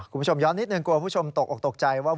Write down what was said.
คุณผู้ชมย้อนนิดหนึ่งกลัวผู้ชมตกออกตกใจว่า